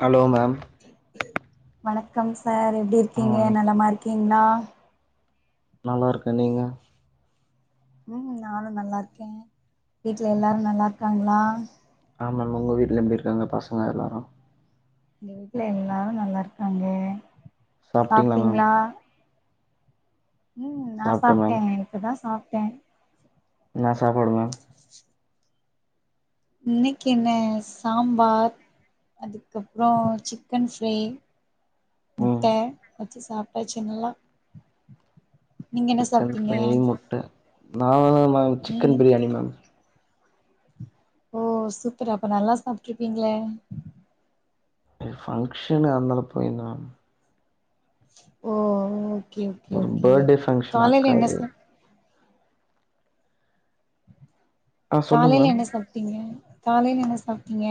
hello ma'am வணக்கம் sir எப்படி ஆ இருக்கீங்க வணக்கம் நலமா இருக்கீங்களா நல்லா இருக்கேன் நீங்க உம் நானும் நல்லா இருக்கேன் வீட்டுல எல்லாரும் நல்லா இருக்காங்களா ஆமாம் உங்க வீட்டுல எப்படி இருக்காங்க பசங்க எல்லாரும் எங்க வீட்டுல எல்லாரும் நல்லா இருக்காங்க சாப்ட்டீங்களா உம் நான் சாப்ட்டே மேம் சாப்ட்டேன் இப்பதான் சாப்ட்டேன் என்ன சாப்பாடுங்க இன்னைக்கு என்ன சாம்பார் அதுக்கப்புறம் சிக்கன் ஃப்ரே ம் முட்ட வச்சு சாப்ட்டாச்சி நல்லா நீங்க என்ன சிக்கன் சாப்ட்டீங்க ஃப்ரை முட்டை நா நாங் சிக்கன் ம் பிரியாணி மேம் ஓ சூப்பர் அப்ப நல்லா சாப்ட்ருப்பீங்களே ஃபங்ஷன் அதனால போய்ருந்த மேம் ஓ ஓகே ஓகே ஒரு ஓகே பர்த்டே ஃபங்க்ஷன் காலைல என்ன அக்காது சம ஆ சொல்லுங்க காலைல மேம் என்ன சாப்ட்டீங்க காலைல என்ன சாப்ட்டீங்க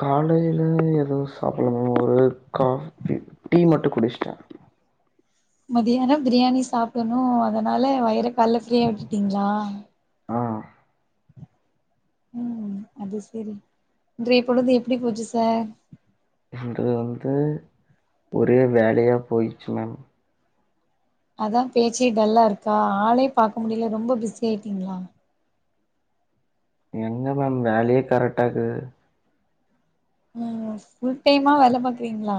காலையில எதும் சாப்டல மேம் ஒரு காஃபி டீ மட்டும் குடிச்சிட்டேன் மதியானம் பிரியாணி சாப்பிடணும் அதனால வயிற காலைல ஃப்ரீயா விட்டுட்டீங்களா ஆஹ் உம் அது சேரி இன்றைய பொழுது எப்படி போச்சு சார் இன்றைய வந்து ஒரே வேலையா போயிடுச்சு மேம் அதா பேச்சே டல்லா இருக்கா ஆளே பாக்க முடில ரொம்ப பிஸி ஆயிட்டீங்களா எங்க மேம் வேலையே கரெக்டா இருக்கு உம் ஃபுல் டைமா வேல பாக்குறீங்களா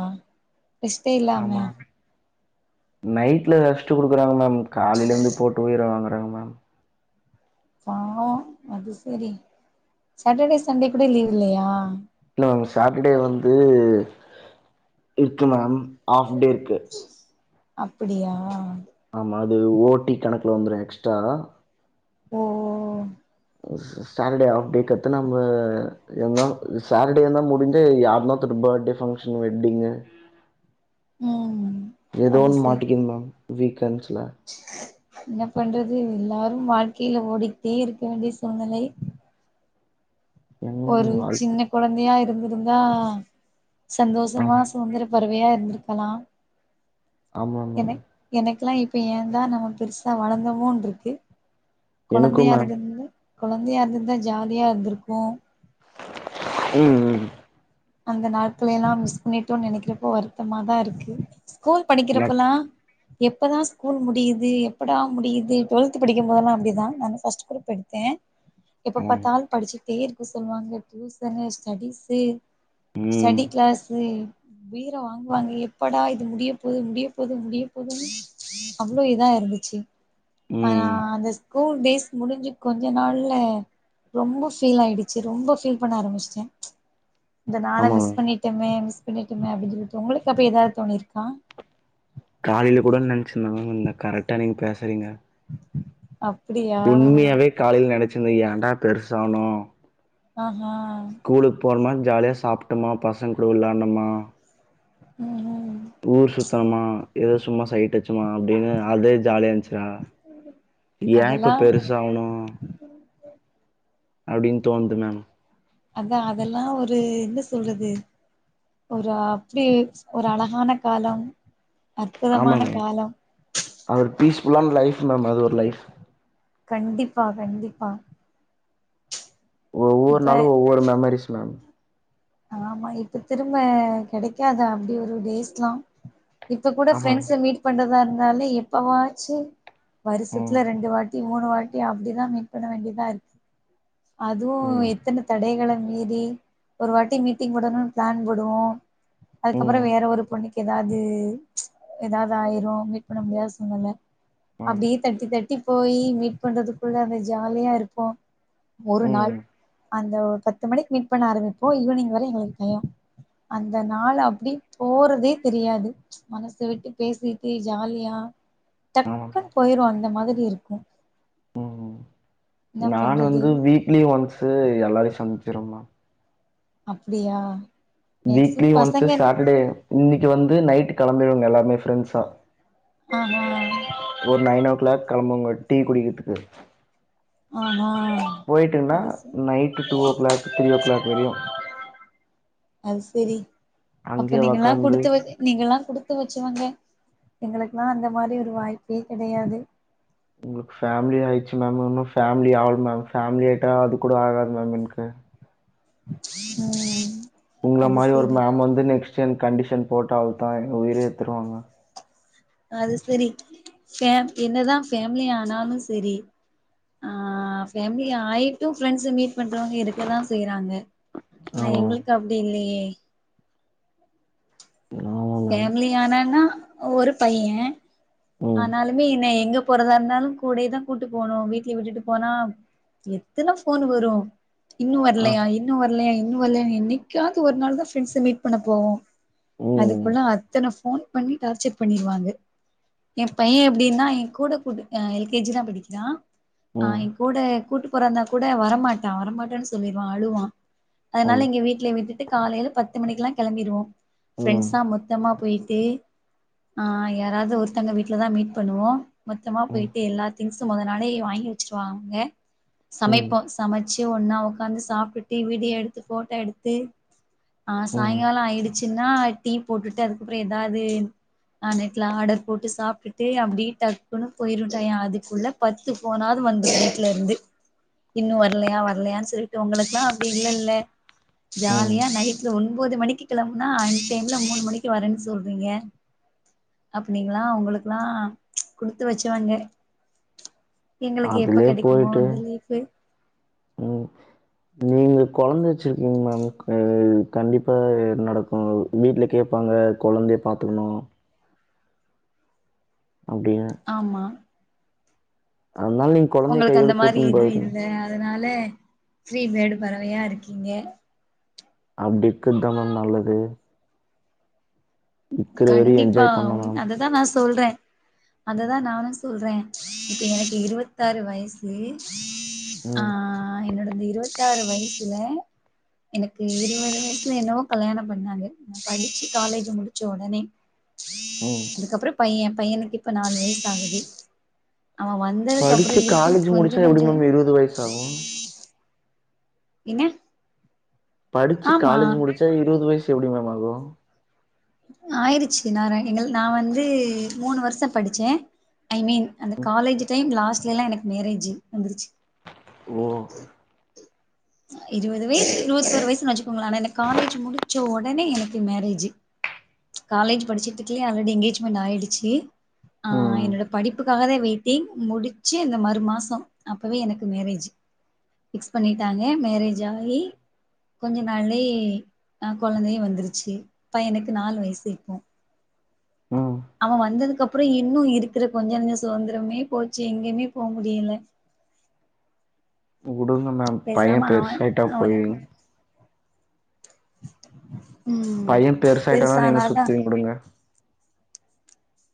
ரெஸ்டே இல்லாம ஆமா நைட்ல ரெஸ்ட்டு குடுக்குறாங்க மேம் காலையில இருந்து போட்டு உயிரவாங்குறாங்க மேம் செம அது சேரி சாட்டர்டே சண்டே கூட லீவ் இல்லையா இல்ல மேம் சாட்டர்டே வந்து இருக்கு மேம் ஆஃப்டே இருக்கு அப்படியா ஆமா அது ஓடி கணக்குல வந்துரும் எக்ஸ்ட்ரா ஓ ஓ ஓ சேட்டர்டே ஆப்டேக்கடுத்து நம்ப இருந்தா சேட்டர்டே முடிஞ்ச யார்னா அடுத்து நம்ப பர்த்டே ஃபங்க்ஷன் வெட்டிங்கு ம் ஏதோ அது ஒன்னு செரி மாட்டக்குது மேம் வீக்கெண்ட்ஸ்ல என்ன பண்றது எல்லாரும் வாழ்க்கையில ஓடிக்ட்டே இருக்க வேண்டிய சூழ்நிலை எங்க ஒரு மேம் சின்ன வாழ்க்க குழந்தையா இருந்திருந்தா சந்தோஷமா ஆமா சுதந்திர பறவையா இருந்திருக்கலாம் ஆமா மேம் எனக்குலா இப்ப ஏந்தா நம்ம பெருசா வளர்ந்தமோன்னு இருக்கு கொழந்தையா எனக்கும் மேம் இருந்துருந்தா குழந்தையா இருந்துருந்தா ஜாலியா இருந்திருக்கும் உம் உம் அந்த நாட்கள எல்லாம் மிஸ் பண்ணிட்டோம்னு நினைக்கிறப்போ வருத்தமாதா இருக்கு ஸ்கூல் நட் படிக்கிறப்பலாம் எப்போ தா ஸ்கூல் முடியுது எப்படா முடியுது டுவெல்த் படிக்கும்போதெல்லாம் அப்படிதா நா ஃபர்ஸ்ட் குரூப் எடுத்தே எப்ப ஆமாங்க பாத்தாலும் படிச்சுகிட்டே இருக்க சொல்லுவாங்க டியூசனு ஸ்டடிஸூ ம் ஸ்டடி கிளாஸூ உயிர வாங்குவாங்க எப்படா இது முடிய போது முடிய போகுது முடிய போதுன்னு அவ்ளோ இதா இரு இருந்துச்சு ஆனா ம் அந்த ஸ்கூல் டேஸ் முடிஞ்சு கொஞ்ச நாள்ல ரொம்ப ஃபீல் ஆயிடுச்சு ரொம்ப ஃபீல் பண்ண ஆரம்பிச்சுட்டே நாள ஆமா மிஸ் மேம் பண்ணிட்டோமே மிஸ் பண்ணிட்டமே அப்டி சொல்லி [inaudible] உங்களுக்கு அப்ப ஏதாது தோணிருக்கா காலையில கூட நெனச்சுருதாங்க கரெக்டா நீங்க பேசுறீங்க அப்டியா உண்மையாவே காலைல நெனச்சிருந்த ஏண்டா பெருசானோ ஆ ஹா ஸ்கூலுக்கு போனோமா ஜாலியா சாப்ட்டோம பசங்க கூட வெள்ளடோமா ம் ம் ஊர் சுத்துனமா ஏதோ சும்மா சைட்டு ஆட்ச்சுமா அப்டின்னு அதே ஜாலியா இருந்துச்சுரா ஏ அதெல்லா இப்ப பெருசாவணு அப்டின் தோண்து மேம் அதா அதெல்லா ஒரு என்ன சொல்றது ஒரு அப்டி ஒரு அழகான காலம் ஆமா அற்புதமான மேம் கால அது ஒரு பீஸ்ஃபுல்லான லைஃப் மேம் அது ஒரு லைஃப் கண்டிப்பா கண்டிப்பா ஒவ்வொரு இப்ப நாளு ஒவ்வொரு மெமரிஸ் மேம் ஆமா இப்ப திரும்ப கெடைக்காத அப்டி ஒரு டேஸ்லா இப்ப கூட ஆமா ஃப்ரெண்ட்ஸ மீட் பண்றதா இருந்தாலே எப்பவாச்சு ம் வருசத்துல ரெண்டு வாட்டி மூணு வாட்டி அப்டிதா மீட பண்ண வேண்டியதா இருக் அதுவு எத்தன தடைகள மீறி ஒரு வாட்டி மீட்டிங் போடணும்னு பிளான் போடுவோ ம் அதுக்கப்றோ ம் வேற ஒரு பொண்ணுக்கு ஏதாது ஏதாது ஆயிரும் மீட் பண்ண முடியாது சூழ்நெல ஆமா அப்டியே தட்டி தட்டி போய் மீட் பண்றதுக்குள்ள அந்த ஜாலியா இருப்போ ஒரு நாள் ம் அந்த ஒ பத்து மணிக்கு மீட் பண்ண ஆரம்பிப்போ ஈவினிங் வர எங்களுக்கு டயோ அந்த நாள் அப்டி போறதே தெரியாது மனச விட்டு பேசிட்டு ஜாலியா ஆமா டக்குன்னு போயிரு அந்த மாதரி இருக்கு ம் என்ன நா பண்றது வந்து வீக்லி ஒன்ஸ் எல்லாரையு சந்தி ச்சுருவோ மேம் அப்டியா வீக்லி மேக்சிமம் ஒன்ஸ் பசங்க சேட்டர்டே இன்னைக்கு வந்து நைட் கெளம்பிடுவாங்க எல்லாருமே ஃப்ரெண்ட்ஸ்லா ஆஹா கிளாக் கெளம்புவங்க டீ குடிக்கிறதுக்கு ஆஹா போயிட்டுங்கண்ணா அது சே night two o'clock three o'clock வரையு அது செரி அப்ப அங்கயே நீங்க எல்லா ஒக்காந்து குடுத்து வ நீங்கல்லா குடுத்து வச்சவாங்க எங்களுக்குல்லா அந்த மாரி ஒரு வாய்ப்பே கெடையாது உங்களுக்கு ஃபேமிலி ஆயிடுச்சு மேம் இன்னு ஃபேமிலி ஆவல மேம் ஃபேமிலி ஆயிட்டா அது கூட ஆகாது மேம் எனக்கு ம் உங்கள அது மாரி ஒரு செரி மேம் வந்து நெக்ஸ்ட் [inaudible] கண்டிஷன் போட்டா தா எங்க உயிரே ஏடுத்துருவாங்க அது செரி ஃபே என்னதா ஃபேமிலி ஆனாலு செரி ஆ ஃபேமிலி ஆயிட்டு ப்ரெண்ட்ஸ் ஸ மீட் பண்றவங்க இருக்கதா செய்றாங்க ஆனா ஆமா எங்களுக்கு அப்டி இல்லையே ஆமா மேம் ஃபேமிலி ஆனனா ஒரு பையன் ம் ஆனாலுமே என்ன எங்க போறதா இருந்தாலு கூடயே தா கூட்டிட்டு போணு வீட்ல விட்டுட்டு போனா எத்தன போன் வரு இன்னு ஆ வர்லையா இன்னு வர்லையா இன்னு வர்லையான்னு என்னைக்காவது ஒரு நாள் தா ஃப்ரெண்ட்ஸ மீட் பண்ண போவோ ம் அதுக்குள்ள அத்தன போன் பண்ணி டார்ச்சர் பண்ணிருவாங்க என் பையன் எப்டின்னா என் கூட கூட்டு அ எல் கே ஜி தா படிக்கிறா ஆ ம் என் கூட கூட்டு போறதா இருந்தா கூட வரமாட்டா வரமாட்டேன்னு சொல்லிடுவா அழுவா ஆமா அதனால இங்க வீட்லியே விட்டுட்டு காலைல பத்து மணிக்கெல்லா கெளம்பிடுவோ ம் ப்ரெண்ஸா மொத்தமா போயிட்டு ஆ யாராது ஒரு தங்க வீட்லதா மீட் பண்ணுவோ மொத்தமா ம் போயிட்டு எல்லா திங்ஸும் மொத நாளே வாங்கி வெச்சுருவாங்க ம் சமைப்போ சமச்சு ஒன்னா உக்காந்து சாப்ட்டுட்டு வீடியோ எடுத்து போட்டோ எடுத்து ஆ ம் சாய்ங்கால ஆயிடுச்சுன்னா டீ போட்டுட்டு அதுக்கப்புற ஏதாவ்து எ அ நெட்ல ஆடர் போட்டு சாப்ட்டுட்டு அப்டி டக்குனு போயிரு டயோ அதுக்குள்ள பத்து போனாது வந்துரு வீட்ல இருந்து இன்னு வர்லையா வர்லையான் சொல்ட்டு உங்களுக்லா அப்டி இல்லல ம் ஜாலியா நைட்ல ஒண் உம்போது மணிக்கி கெளம்புனா அன் டைம்ல மூணு மணிக்கி வரன் சொல்றீங்க இப்ப நீங்களா உங்களுக்லா குடுத்து வச்சவங்க எங்களுக்கு எப்ப அதுலே கெடைக்குமோ போய்ட்டு அந்த லீஃப்பு ம் நீங்கள் கொழந்த வெச்சிர்க்கிங் மேம் அ கண்டிப்பா இத் நடக்கு வீட்ல கேப்பாங்க ப்ப கொழந்திய பாத்துக்கணு அப்டின்னு ஆமா அதனால நீங்க கொழந்தைய உங்களுக்கு கையோட அந்த மாரி கூட்டுன்னு இது போயிடுங்க இல்ல அதனால ஃப்ரி பேடு பறவையா இருக்கீங்க அப்டி கிற்தா மேம் நல்லது இருக்கிற வரையு கண்டிப்பா என்ஜாய் பண்ணு ம் மேம் அததா நா சொல்ற அததா நானு சொல்றே இப்ப எனக்கு இருவத்தாறு வயசு ஆ ம் என்னோடது இருவத்தாறு வய்சுல எனக்கு இருவது வயசுல என்னவோ கல்யாணம் பண்ணாங்க ந படிச்சு காலேஜு முடி ச்ச ஒடனே ம் அதுக்கப்புற பைய பையனுக்கு இப்ப நாலு வய்சாகுது அவ வந்ததுக்கப்புற படிச்சு இருக்குற காலேஜ் கொஞ்ச முடிச்சா எப்டி நஞ்ச மேம் இருவது வயசு ஆகு என்ன படிச்சு ஆமா காலேஜ் முடிச்சா இருவது வய்ஸ் எப்டி மேம் ஆகு ஆயிரிச்சு ந ர எங்கள் நா வந்து மூணு வருஸ படிச்சே ஐ மீன் அந்த காலேஜு டைம் லாஸ்ட்லெல்லா எனக்கு மேரேஜு வந்துருச்சு ஓ இருவது வய்ஸ் இருவத்தொரு வய்சுன் வெச்சுக்கோங்களேன் ஆனா எனக்கு காலேஜு முடிச்ச ஒடனே எனக்கு மேரேஜி காலேஜ் படிச்சுட்டுருக்கல்யே ஆல்ரெடி எங்கேஜ்மெண் ஆயிடுச்சி ஆ ம் என்னோட படிப்புக்காகதா வெயிட்டிங் முடிச்சு இந்த மறு மாசோ அப்பவே எனக்கு மேரேஜ் ஃபிக்ஸ் பண்ணிட்டாங்க மேரேஜ் ஆயி கொஞ்ச நாள்யே அ கொழந்தயு வந்துருச்சு பையனுக்கு நாலு வயசு இப்போ ம் அவ வந்ததுக்கு அப் புறோ இன்னு இருக்கிற கொஞ்ச நஞ்ச சுதந்திரமே போச்சு எங்கயுமே போமுடியல [inaudible] வுடுங்க மேம் பைய பெருசாயிட்டா அவ போய்ருங்க [inaudible] பைய பெருசாய்ட்டானா நீங்க பெருசானாதா சுத்துவீங் வுடுங்க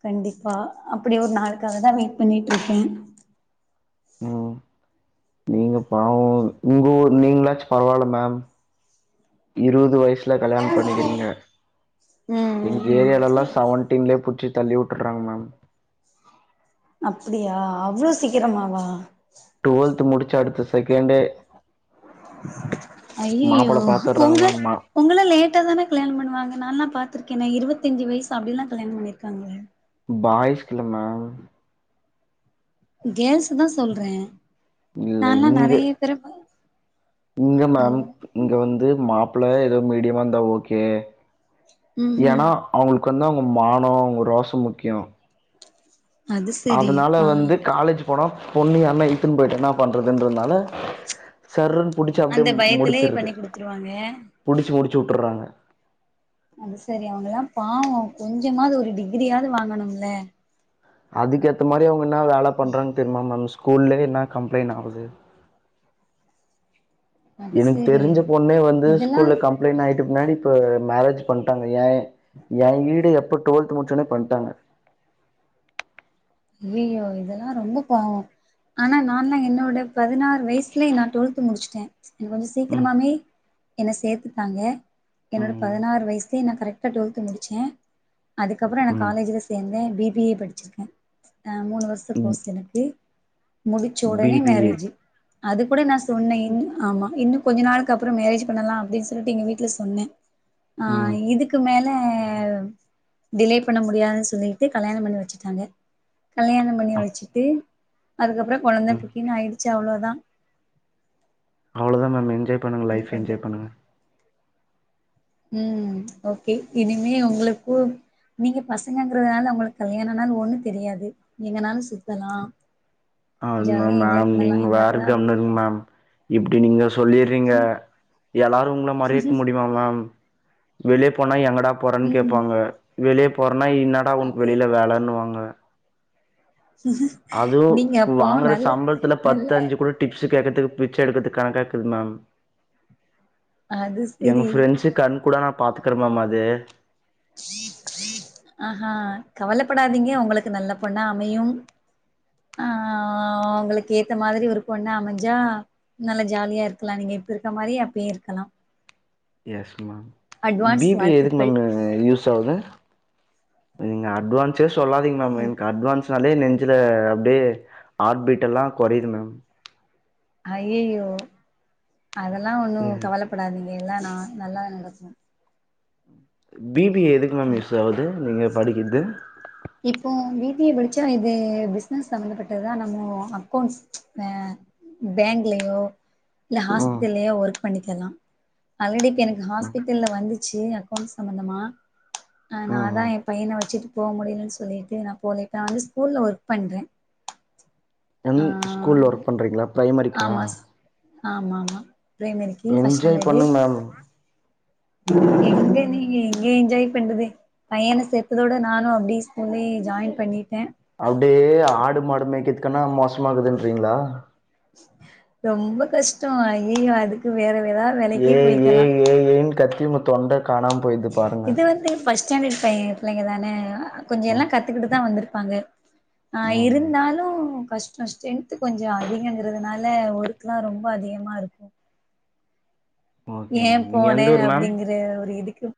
கண்டிப்பா அப்பிடி ஒரு நாளுக்காக தா வெயிட் பண்ணிட்ருக்கே ம் [inaudible] நீங்க பாவோ உங்க ஊர் நீங்ளாச் பரவால மேம் இருவது வய்ஸ் ல கல்யாணம் பண்ணிகிறீங்க ம் எங்க ம் ம் ஏரியாலல்லா சவன்டீன்லே புடுச்சி தள்ளிவுட்டு ட்றாங்க மேம் அப்டியா அவ்ளோ சீக்கிரமாவா டுவெல்த் முடிச்ச அடுத்த செகண்டே [inaudible] அய்யிய்யோ மாப்பிள பாத்துடுறாங்க உங்க மேம் மா உங்கள்ல லேட்டா தான கல்யாண பண்ணுவாங்க நால்லா பாத் திருக்கேனே இருவத்தஞ்சு வயசு அப்டில்லா கல்யாணம் பண்ணிருக்காங்க பாய்ஸ்கு இல்ல மேம் கேல்ஸ்க்கு தா சொல்றே இல்ல நால்லா இங்க நெறைய பேரு இங்க மேம் இங்க வந்து மாப்பிள்ள ஏதோ மீடியமா இருந்தா ஓகே ம் ஏன்னா ம் அவங்களுக்கு வந்து அவங்க மானோ அவங்க ரோஷோ முக்கியோ அது செரி அதனால ஆ வந்து காலேஜ் போனா பொண்ணு யாருன்னா இழுத்துட்டு போயிட்டு என்ன பண்றதுன்றதுனால சர் புடிச்சு அப்டியே அந்த பயத்திலே முடிச்சிறது பண்ணி குடுத்துருவாங்க புடிச்சு முடிச்சு விட்டுறாங்க அது செரி அவங்கல்லா பாவோ கொஞ்சமாவது ஒரு டிகிரியாவது வாங்கனும்ல அதுக்கு ஏத்த மாரி அவுங்க என்ன வேல பண்றாங்க தெரியுமா மேம் ஸ்கூல்லயே இன்னா கம்ப்ளைண் ஆவுது அது எனக்கு செரி தெரிஞ்ச பொண்ணே வந்து ஸ்கூல்ல இதெல்லா கம்ப்ளைண் ஆயிட்ட பின்னாடி இப்ப மேரேஜ் பண்ட்டாங்க ஏ ஏ [unintelligible] எப்ப டூவெல்த் முடிச்ச ஒடனே பண்ட்டாங்க ஐய்யயோ இதெல்லா ரொம்ப பாவோ ஆனா நான்ல்லா என்னோட பதினாறு வயசுலயே நா டுவெல்த் முடிச்சுட்டே என்ன கொஞ்சோ ம் சீக்கிரமாவே என்ன சேத்துட்டாங்க என்னோட பதினாறு வயசுலேயே நா கரெக்ட் ட்டா டுவெல்த்து முடிச்சே அதுக்கப்றோ நா ம் காலேஜ்ல சேந்தே பி பி ஏ படிச்சிருக்கே அ மூணு வருசோ ம் கோர்ஸ் எனக்கு முடிச்ச பி ஒடனே பி ஏ மேரேசு அது கூட நா சொன்னே இன் ஆமா இன்னு கொஞ்ச நாளுக்கு அப்றோ மேரேஜ் பண்ணலா அப்டின்னு சொல்லிட்டு எங்க வீட்ல சொன்னே அ ம் இதுக்கு மேல டிலே பண்ண முடியாதுன்னு சொல்லிட்டு கல்யாணோ பண்ணி வெச்சிட்டாங்க கல்யாணோ பண்ணி வெச்சிட்டு அதுக்கப்றோ கொழந்த குட்டின்னு ஆயிடுச்சு அவ்ளோதா அவ்ளோதா மேம் என்ஜாய் பண்ணுங்க என்ன லைஃப் என்ஜாய் பண்றது பண்ணுங்க ம் ஓகே இனிமே உங்களுக்கு நீங்க பசங்கங்கறதுனால உங்களுக்கு கல்யாணோ ஆனாலு ஒண்ணு தெரியாது எங்கனாலு சுத்தலா அதுவா ஜாலியா மேம் என்ஜாய் பண்ணலா நீங்க வேற எங்களுக்குதா கம்முன்னு அப்டி இருங்க மேம் இப்டி நீங்க சொல்லிறீங்க ம் எல்லாரு உங்கள மாறியே இருக்க முடியுமா மேம் வெளிய போனா எங்கடா போறேன்னு ம் கேப்பாங்க வெளிய போ ன்னா இன்னாடா உன்கு வெளில வேலன்னுவாங்க அதுவு நீங்க அப்போ வாங்குற நல்ல சம்பளத்துல நல்ல பத்தஞ்சுக் கூட டிப்ஸ்சு கேக்கற்துக்கு பிச்ச எடுக்கற்துக்கு கணக்காக்குது மேம் அது எங்க செரி ஃப்ரெண்ட்சு கண் கூட நா பாத்துக்கிறே மேம் அது ஆஹா கவலப்படாதீங்க உங்களுக்கு நல்ல பொண்ணா அமையும் அ உங்களுக்கு ஏத்த மாரி ஒரு பொண்ணு அமஞ்சா நல்லா ஜாலியா இருக்கலா நீங்க இப்ப இருக்க மாரியே அப்பயு இருக்கலா yes ma'am advance B B A எதுக்கு வாழ்த்துக்கள் மேம் யூஸ் ஆவுது நீங்க அட்வான்ஸ்சே சொல்லாதீங்க மேம் ம் எனக்கு அட்வான்ஸ்ன் ன்னாளே நெஞ்சுல அப்டியே ஹாட்பீட் எல்லா கொறையுது மேம் ஐயய்யோ அதெல்லா ஒன்னு கவலப்படாதீங்க எல்லா நா நல்லா நடக்கு பி பி ஏ எதுக்கு ம் மேம் யூஸ் ஆவுது நீங்க படிக்கிறது இப்போ பி பி ஏ படிச்சா இது பிசினஸ் சம்பந்தப்பட்டதுதா நம்மோ அக்கௌண்ட்ஸ் அ பேங்க்லயோ இல்ல ம் ஹாஸ்பிட்டல்லியோ ஒர்க் பண்ணிக்கலா ஆல்ரெடி இப்ப எனக்கு ம் ஹாஸ்பிட்டல்ல வந்துச்சு அக்கௌண்ட்ஸ் சம்பந்தமா அ ம் நாதா ம் ஏ பைய்யன வெச்சுட்டு போ முடிலன்னு சொல்லிட்டு நா போல இப்ப நா வந்து ஸ்கூல்ல ஒர்க் பண்றே ஆ [unintelligible] ஸ்கூல்ல ஒர்க் பண்றீங்களா பிரைமெரிக்கா ஆமா ஸ் ஆமா ஆமா பிரைமேரிக்கு ஃபர்ஷ் ஸ்டாண்டர்ட்டு பண்ணுங்க மேம் எங்க நீங்க எங்க என்ஜாய் பண்றது பையன சேத்ததோட நானு அப்டியே ஸ்கூல்லே ஜாயின் பண்ணிட்டே அப்டியே ஆடு மாடு மேய்க்கதுக்கானா மோசமாக்குதுன்றீங்களா ரொம்ப கஷ்டோ ஐய்யயோ அதுக்கு வேற ஏதா வேலைக்கே ஏ ஏ போய்க்கலா ஏய் ஏய் ன்னு கத்தி உங்க தொண்டக் இது வந்து ஃபஸ்ட் ஸ்டாண்டர்ட் பைய பிள்ளைங்க தான கொஞ்சொ ம் எல்லாம் கத்துக்கிட்டு தான் வந்திரு ப்பாங்க ஆ ம் இருந்தாலும் கஷ்டொ ஸ்ட்ரென்து கொஞ்சம் அதிகங்கிறதுனால ஒர்க்லாம் ரொம்ப அதி திகமா இருக்கும் ஓகே ஏன் மேம் நீங்க எந்த போனேன் ஊர் மேம் அப்டிங்கற ஒரு இதுக்கு